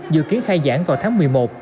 dự kiến khai giảng vào tháng một mươi một